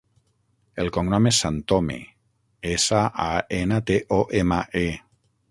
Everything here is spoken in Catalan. El cognom és Santome: essa, a, ena, te, o, ema, e.